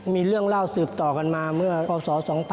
มีเรื่องเล่าสืบต่อกันมาเมื่ออศ๒๕๘